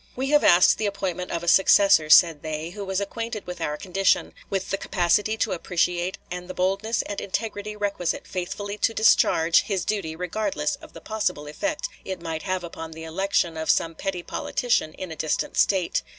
"We have asked the appointment of a successor," said they, "who was acquainted with our condition," with "the capacity to appreciate and the boldness and integrity requisite faithfully to discharge his duty regardless of the possible effect it might have upon the election of some petty politician in a distant State.